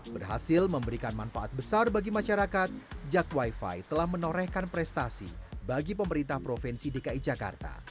berhasil memberikan manfaat besar bagi masyarakat jak wifi telah menorehkan prestasi bagi pemerintah provinsi dki jakarta